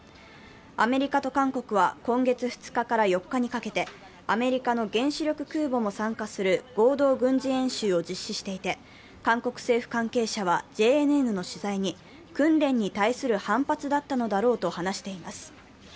アメリカと韓国は今月２日から４日にかけて、アメリカの原子力空母も参加する合同軍事演習を実施していて、韓国政府関係者はＪＮＮの取材に訓練に対する反発だったのだろうと話しています。